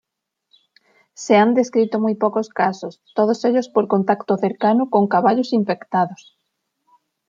Se han descrito muy pocos casos, todos ellos por contacto cercano con caballos infectados.